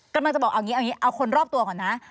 กำลังจะบอกเอาอย่างนี้เอาคนรอบตัวก่อนนะ